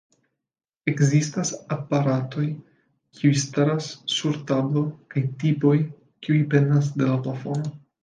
Ekzistas aparatoj kiu staras sur tablo kaj tipoj kiuj pendas de la plafono.